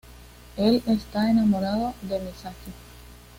Él está enamorado de Misaki.